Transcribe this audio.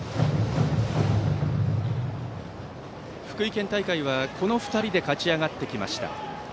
福井県大会はこの２人で勝ち上がってきました。